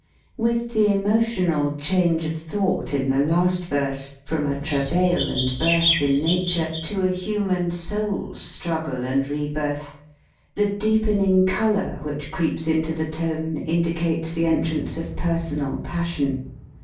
With the emotional change of thought in the last verse, from a travail and birth in nature, to a human soul's strug gle and rebirth, the deepening color which creeps into the tone indicates the entrance of personal passion.